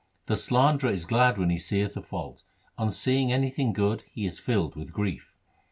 The slanderer is glad when he seeth a fault ; on seeing anything good he is filled with grief.